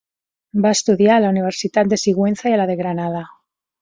Va estudiar a la universitat de Sigüenza i a la de Granada.